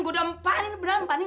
gua udah empanin empanin